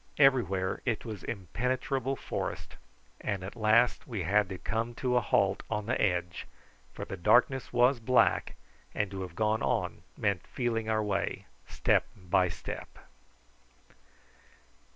Everywhere it was impenetrable forest, and at last we had to come to a halt on the edge, for the darkness was black, and to have gone on meant feeling our way step by step.